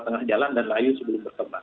tengah jalan dan layu sebelum berkembang